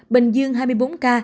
bình dương hai mươi bốn ca